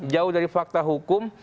jauh dari fakta hukum